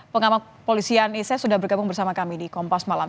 pengamat polisian ise sudah bergabung bersama kami di kompas malam